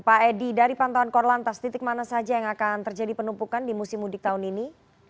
pak edi dari pantauan korlantas titik mana saja yang akan terjadi penumpukan di musim mudik tahun ini